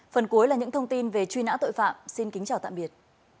phần cuối là những thông tin về truy nã tội phạm xin kính chào tạm biệt